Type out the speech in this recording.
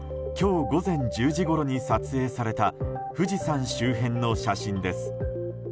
これは、今日午前１０時ごろに撮影された富士山周辺の写真です。